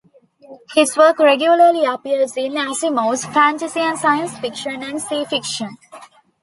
His work regularly appears in "Asimov's", "Fantasy and Science Fiction", and "Sci Fiction".